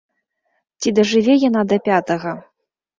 Ці дажыве яна да пятага?